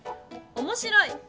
「おもしろい」。